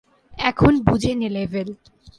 এখন বুঝে নে লেভেল।